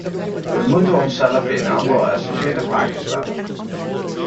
We moeten onszelf een aantal essentiële vragen stellen.